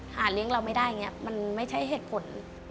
หาเลี้ยงเราไม่ได้อย่างนี้มันไม่ใช่เหตุผล